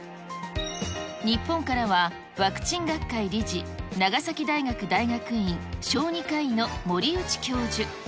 日本からは、ワクチン学会理事、長崎大学大学院、小児科医の森内教授。